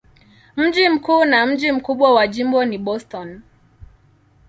Mji mkuu na mji mkubwa wa jimbo ni Boston.